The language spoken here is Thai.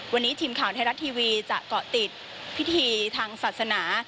วันนี้ทีมข่าวไทยรัฐทีวีจะเกาะติดพิธีทางศาสนา